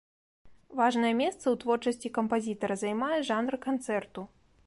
Важнае месца ў творчасці кампазітара займае жанр канцэрту.